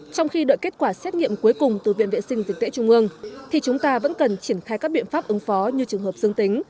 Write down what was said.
trong khi đợi kết quả xét nghiệm cuối cùng từ viện vệ sinh dịch tễ trung ương thì chúng ta vẫn cần triển khai các biện pháp ứng phó như trường hợp dương tính